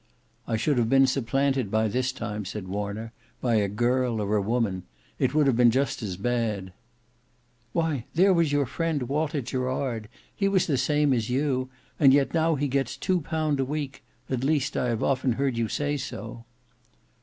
"I should have been supplanted by this time," said Warner, "by a girl or a woman! It would have been just as bad!" "Why there was your friend Walter Gerard; he was the same as you, and yet now he gets two pound a week; at least I have often heard you say so."